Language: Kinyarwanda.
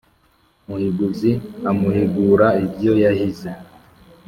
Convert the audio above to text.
muhiguzi amuhigura ibyo yahize